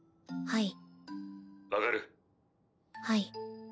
はい。